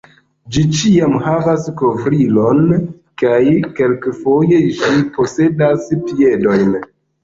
Ĝi ĉiam havas kovrilon kaj kelkfoje ĝi posedas piedojn.